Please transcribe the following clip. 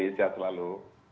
terima kasih sehat selalu